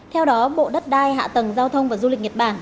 theo đó bộ đất đai hạ tầng giao thông và du lịch nhật bản